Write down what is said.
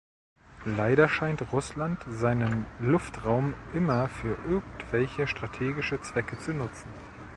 Leider scheint Russland seinen Luftraum immer für irgendwelche strategische Zwecke zu nutzen.